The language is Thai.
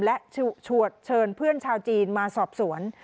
และเชิญเพื่อนชาวจีนมาสอบสวน